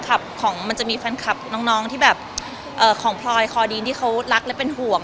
ของมันจะมีแฟนคลับน้องที่แบบของพลอยคอดีนที่เขารักและเป็นห่วง